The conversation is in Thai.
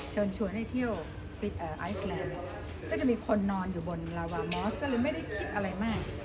เชิญชวนให้เที่ยวฟิตไอซแลนด์ก็จะมีคนนอนอยู่บนลาวามอสก็เลยไม่ได้คิดอะไรมาก